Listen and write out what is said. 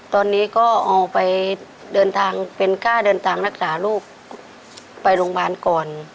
ตอนนี้ก็เอาไปเดินทางเป็นค่าเดินทางรักษาลูกไปโรงพยาบาลก่อน